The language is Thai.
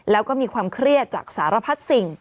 แล้วก็มีความเครียดจากสารพัดสิ่ง